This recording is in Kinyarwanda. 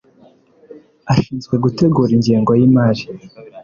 Ashinzwe gutegura ingengo y’imari,